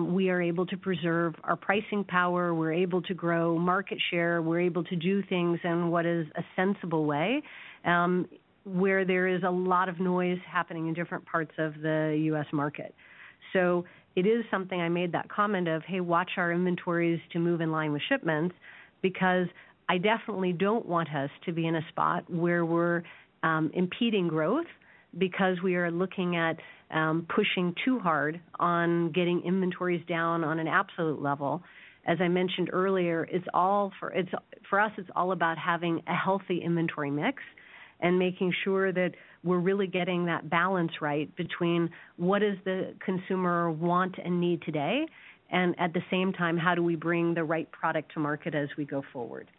we are able to preserve our pricing power, we're able to grow market share, we're able to do things in what is a sensible way, where there is a lot of noise happening in different parts of the U.S. market. So it is something I made that comment of, "Hey, watch our inventories to move in line with shipments," because I definitely don't want us to be in a spot where we're impeding growth because we are looking at pushing too hard on getting inventories down on an absolute level. As I mentioned earlier, it's, for us, it's all about having a healthy inventory mix and making sure that we're really getting that balance right between what does the consumer want and need today, and at the same time, how do we bring the right product to market as we go forward?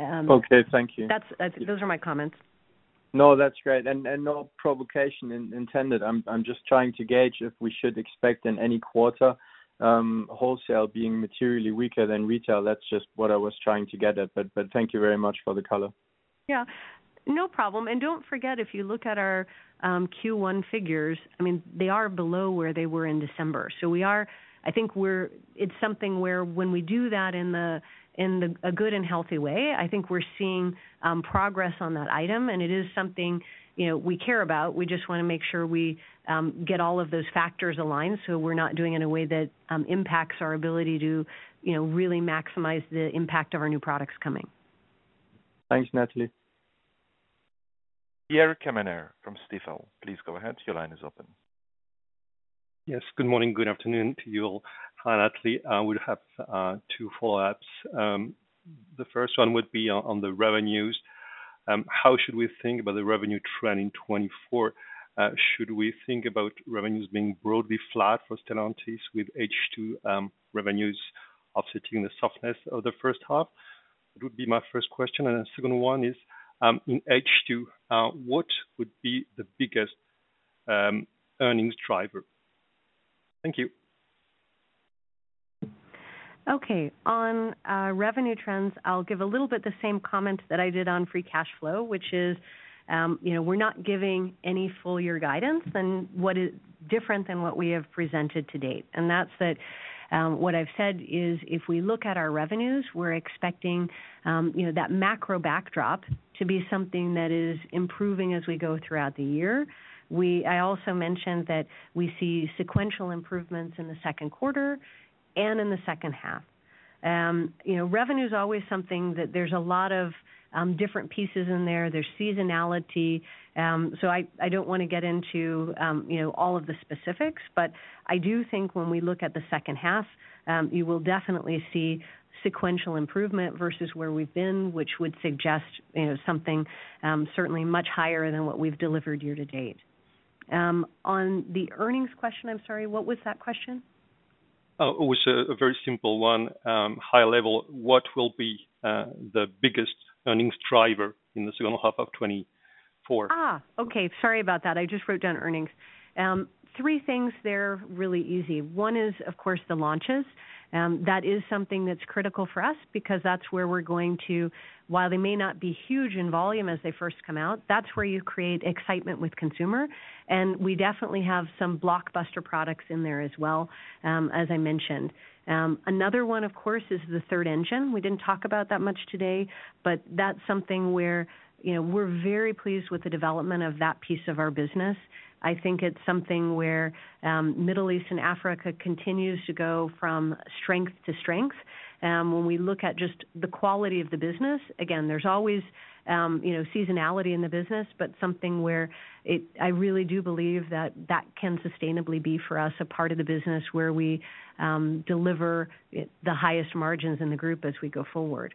Okay, thank you. Those are my comments. No, that's great. And no provocation intended. I'm just trying to gauge if we should expect in any quarter wholesale being materially weaker than retail. That's just what I was trying to get at. But thank you very much for the color. Yeah. No problem. And don't forget, if you look at our Q1 figures, I mean, they are below where they were in December. So we are. I think it's something where when we do that in a good and healthy way, I think we're seeing progress on that item, and it is something, you know, we care about. We just want to make sure we get all of those factors aligned, so we're not doing it in a way that impacts our ability to, you know, really maximize the impact of our new products coming. Thanks, Natalie. Pierre Quemener from Stifel, please go ahead. Your line is open. Yes, good morning, good afternoon to you all. Hi, Natalie. I would have two follow-ups. The first one would be on, on the revenues. How should we think about the revenue trend in 2024? Should we think about revenues being broadly flat for Stellantis with H2 revenues offsetting the softness of the first half? It would be my first question, and the second one is, in H2, what would be the biggest earnings driver? Thank you. Okay. On revenue trends, I'll give a little bit the same comment that I did on free cash flow, which is, you know, we're not giving any full year guidance and what is different than what we have presented to date. And that's that, what I've said is if we look at our revenues, we're expecting, you know, that macro backdrop to be something that is improving as we go throughout the year. I also mentioned that we see sequential improvements in the second quarter and in the second half. You know, revenue is always something that there's a lot of different pieces in there. There's seasonality, so I don't wanna get into, you know, all of the specifics, but I do think when we look at the second half, you will definitely see sequential improvement versus where we've been, which would suggest, you know, something certainly much higher than what we've delivered year to date. On the earnings question, I'm sorry, what was that question? Oh, it was a very simple one. High level, what will be the biggest earnings driver in the second half of 2024? Ah! Okay. Sorry about that. I just wrote down earnings. Three things there, really easy. One is, of course, the launches. That is something that's critical for us because that's where we're going to... While they may not be huge in volume as they first come out, that's where you create excitement with consumer, and we definitely have some blockbuster products in there as well, as I mentioned. Another one, of course, is the Third Engine. We didn't talk about that much today, but that's something where, you know, we're very pleased with the development of that piece of our business. I think it's something where, Middle East and Africa continues to go from strength to strength. When we look at just the quality of the business, again, there's always, you know, seasonality in the business, but something where it—I really do believe that that can sustainably be for us, a part of the business where we deliver it, the highest margins in the group as we go forward.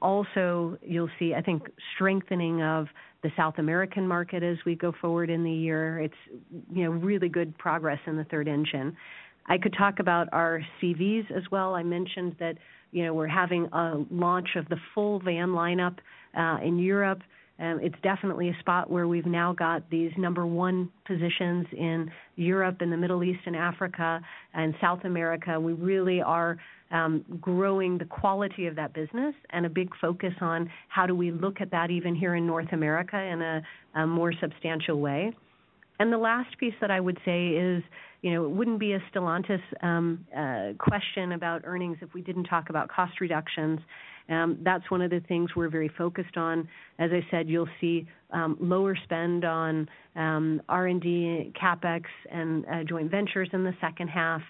Also, you'll see, I think, strengthening of the South American market as we go forward in the year. It's, you know, really good progress in the Third Engine. I could talk about our CVs as well. I mentioned that, you know, we're having a launch of the full van lineup in Europe. It's definitely a spot where we've now got these number one positions in Europe and the Middle East and Africa and South America. We really are growing the quality of that business and a big focus on how do we look at that even here in North America, in a more substantial way. The last piece that I would say is, you know, it wouldn't be a Stellantis question about earnings if we didn't talk about cost reductions. That's one of the things we're very focused on. As I said, you'll see lower spend on R&D, CapEx, and joint ventures in the second half.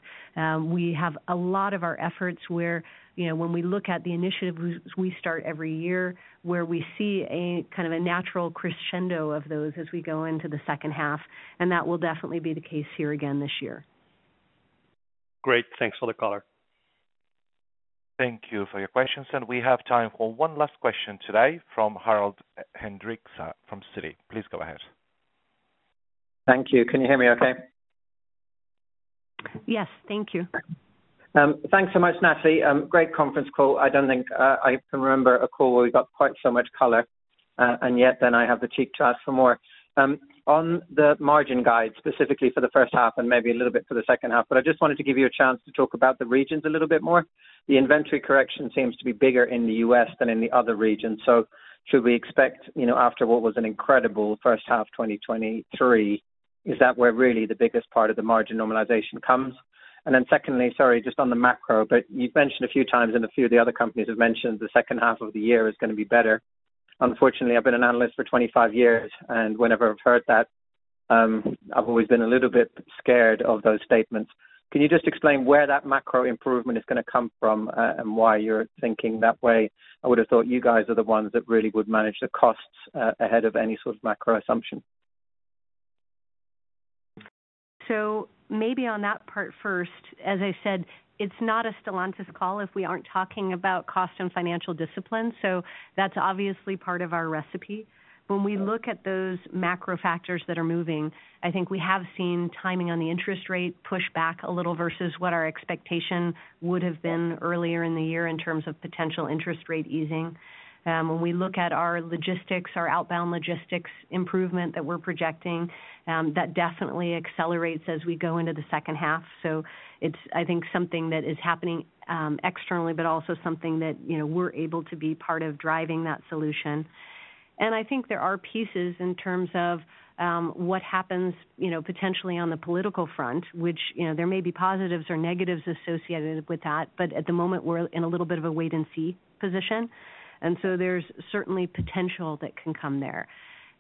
We have a lot of our efforts where, you know, when we look at the initiatives we start every year, where we see a kind of a natural crescendo of those as we go into the second half, and that will definitely be the case here again this year. Great. Thanks for the color. Thank you for your questions, and we have time for one last question today from Harald Hendrikse, from Citi. Please go ahead. Thank you. Can you hear me okay? Yes. Thank you. Thanks so much, Natalie. Great conference call. I don't think I can remember a call where we got quite so much color, and yet then I have the cheek to ask for more. On the margin guide, specifically for the first half and maybe a little bit for the second half, but I just wanted to give you a chance to talk about the regions a little bit more. The inventory correction seems to be bigger in the U.S. than in the other regions, so should we expect, you know, after what was an incredible first half, 2023, is that where really the biggest part of the margin normalization comes? And then secondly, sorry, just on the macro, but you've mentioned a few times and a few of the other companies have mentioned the second half of the year is gonna be better. Unfortunately, I've been an analyst for 25 years, and whenever I've heard that, I've always been a little bit scared of those statements. Can you just explain where that macro improvement is gonna come from, and why you're thinking that way? I would have thought you guys are the ones that really would manage the costs, ahead of any sort of macro assumption. So maybe on that part first, as I said, it's not a Stellantis call if we aren't talking about cost and financial discipline, so that's obviously part of our recipe. When we look at those macro factors that are moving, I think we have seen timing on the interest rate push back a little versus what our expectation would have been earlier in the year in terms of potential interest rate easing. When we look at our logistics, our outbound logistics improvement that we're projecting, that definitely accelerates as we go into the second half. So it's, I think, something that is happening externally, but also something that, you know, we're able to be part of driving that solution. I think there are pieces in terms of what happens, you know, potentially on the political front, which, you know, there may be positives or negatives associated with that, but at the moment, we're in a little bit of a wait-and-see position, and so there's certainly potential that can come there.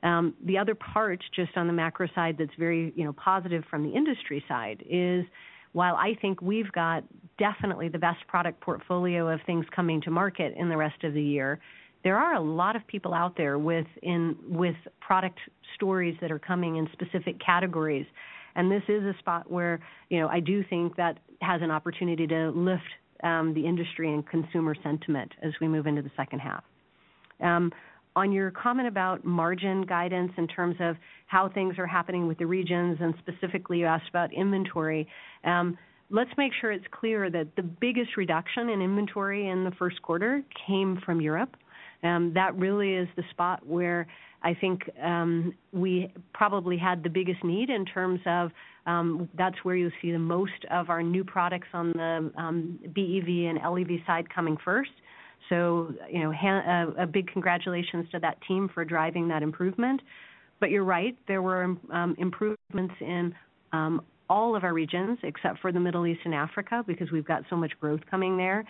The other part, just on the macro side, that's very, you know, positive from the industry side, is while I think we've got definitely the best product portfolio of things coming to market in the rest of the year, there are a lot of people out there with with product stories that are coming in specific categories. And this is a spot where, you know, I do think that has an opportunity to lift the industry and consumer sentiment as we move into the second half. On your comment about margin guidance in terms of how things are happening with the regions, and specifically, you asked about inventory. Let's make sure it's clear that the biggest reduction in inventory in the first quarter came from Europe. That really is the spot where I think we probably had the biggest need in terms of that's where you'll see the most of our new products on the BEV and LEV side coming first. So, you know, a big congratulations to that team for driving that improvement. But you're right, there were improvements in all of our regions, except for the Middle East and Africa, because we've got so much growth coming there.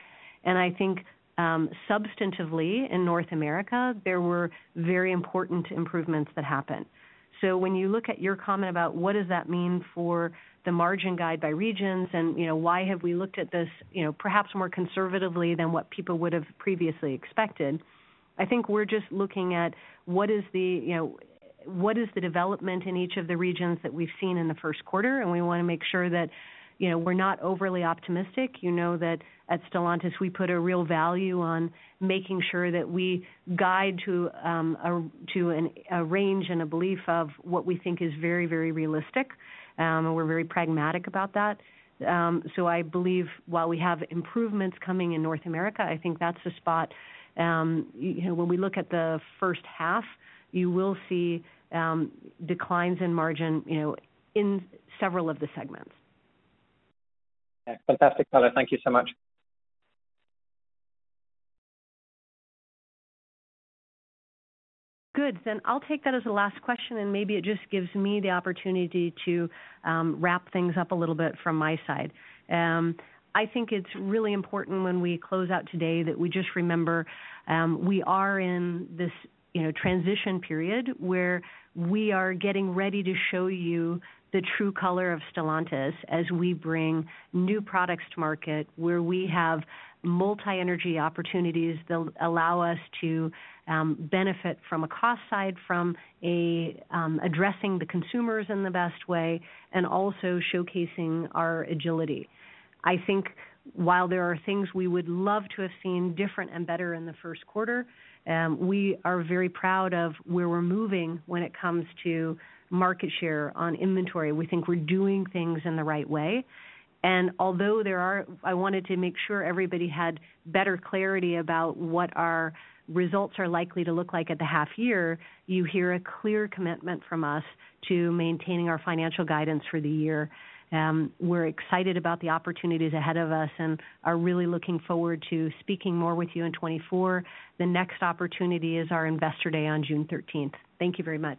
I think, substantively, in North America, there were very important improvements that happened. So when you look at your comment about what does that mean for the margin guide by regions and, you know, why have we looked at this, you know, perhaps more conservatively than what people would have previously expected? I think we're just looking at what is the, you know, what is the development in each of the regions that we've seen in the first quarter, and we wanna make sure that, you know, we're not overly optimistic. You know that at Stellantis, we put a real value on making sure that we guide to a range and a belief of what we think is very, very realistic, and we're very pragmatic about that. So, I believe while we have improvements coming in North America, I think that's the spot, you know, when we look at the first half, you will see declines in margin, you know, in several of the segments. Yeah. Fantastic, Natalie, thank you so much. Good, then I'll take that as a last question, and maybe it just gives me the opportunity to, wrap things up a little bit from my side. I think it's really important when we close out today that we just remember, we are in this, you know, transition period, where we are getting ready to show you the true color of Stellantis as we bring new products to market, where we have multi-energy opportunities that allow us to, benefit from a cost side, from a, addressing the consumers in the best way, and also showcasing our agility. I think while there are things we would love to have seen different and better in the first quarter, we are very proud of where we're moving when it comes to market share on inventory. We think we're doing things in the right way. I wanted to make sure everybody had better clarity about what our results are likely to look like at the half year. You hear a clear commitment from us to maintaining our financial guidance for the year. We're excited about the opportunities ahead of us and are really looking forward to speaking more with you in 2024. The next opportunity is our Investor Day on June 13th. Thank you very much.